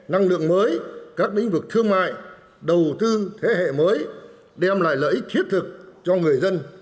năng lượng mới các lĩnh vực thương mại đầu tư thế hệ mới đem lại lợi ích thiết thực cho người dân